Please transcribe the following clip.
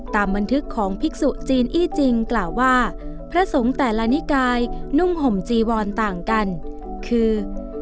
ตามบันทึกของภิกษุจีนอี้จริงกล่าวว่าพระสงฆ์แต่ละนิกายนุ่งห่มจีวอนต่างกันคือ